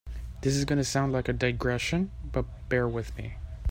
This is going to sound like a digression, but bear with me.